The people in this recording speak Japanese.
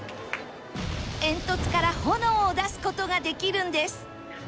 煙突から炎を出す事ができるんです